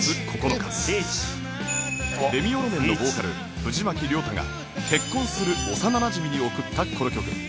レミオロメンのボーカル藤巻亮太が結婚する幼なじみに贈ったこの曲